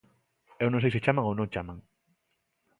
Eu non sei se chaman ou non chaman.